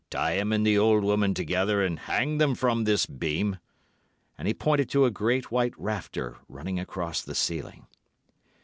"Tie him and the old woman together and hang them from this beam." And he pointed to a great, white rafter running across the ceiling.